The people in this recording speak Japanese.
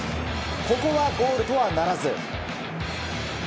ここはゴールとはならず。